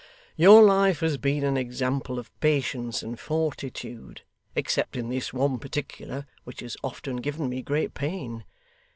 'Your life has been an example of patience and fortitude, except in this one particular which has often given me great pain.